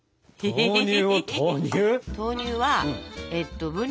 へへへ。